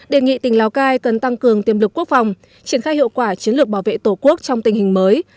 đề nghị tỉnh lào cai cần tăng cường tiềm lực quốc phòng triển khai hiệu quả chiến lược bảo vệ tổ quốc trong tình hình mới